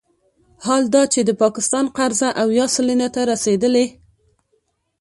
حال دا چې د پاکستان قرضه اویا سلنې ته رسیدلې